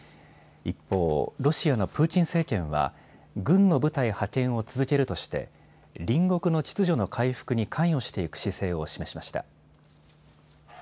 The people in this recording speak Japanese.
一方、ロシアのプーチン政権は軍の部隊派遣を続けるとして隣国の秩序の回復に関与していく姿勢を示しました。